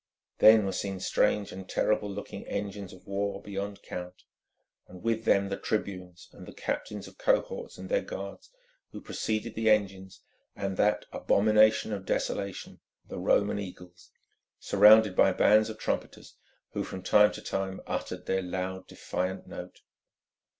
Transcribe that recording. Then were seen strange and terrible looking engines of war beyond count, and with them the tribunes, and the captains of cohorts and their guards who preceded the engines, and that "abomination of desolation," the Roman Eagles, surrounded by bands of trumpeters, who from time to time uttered their loud, defiant note.